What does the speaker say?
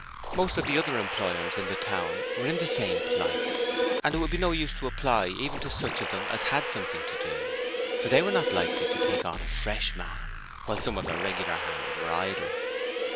Most of the other employers in the town were in the same plight, and it would be of no use to apply even to such of them as had something to do, for they were not likely to take on a fresh man while some of their regular hands were idle.